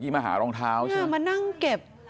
มานั่งเก็บ